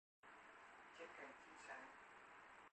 Trên cành, chim sáo